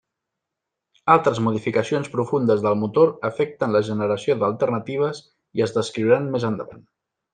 Altres modificacions profundes del motor afecten la generació d'alternatives i es descriuran més endavant.